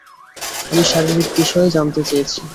আমি শারীরিক বিষয়ে জানতে চেয়েছি।